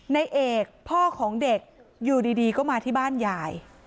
ในเอกพ่อของเด็กอยู่ดีก็มาที่บ้านยาย